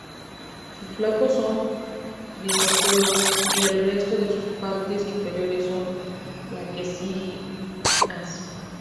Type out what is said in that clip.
Sus flancos son grisáceos y el resto de sus partes inferiores son blanquecinas.